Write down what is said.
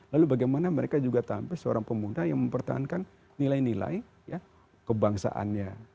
lalu bagaimana mereka juga tampil seorang pemuda yang mempertahankan nilai nilai kebangsaannya